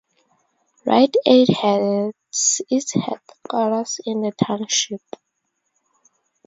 Rite Aid has its headquarters in the township.